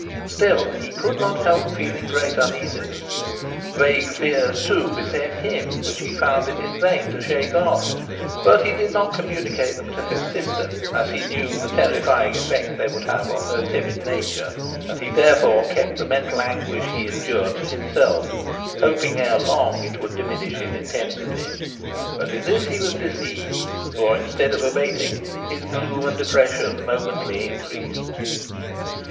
Still he could not help feeling great uneasiness. Vague fears, too, beset him, which he found it in vain to shake off, but he did not communicate them to his sister, as he knew the terrifying effect they would have upon her timid nature; and he, therefore, kept the mental anguish he endured to himself, hoping erelong it would diminish in intensity. But in this he was deceived, for, instead of abating, his gloom and depression momently increased.